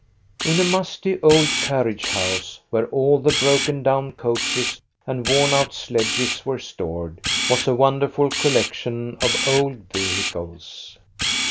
In a musty old carriage house, where all the broken down coaches and worn out sledges were stored, was a wonderful collection of old vehicles.